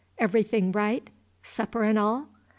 Everything right? supper and all?"